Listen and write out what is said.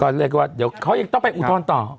ก็เรียกว่าเดี๋ยวเขายังต้องไปอุทธรณ์ต่อ